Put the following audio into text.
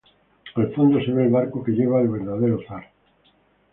Al fondo se ve el barco que lleva al verdadero zar.